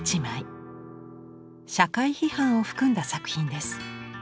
社会批判を含んだ作品です。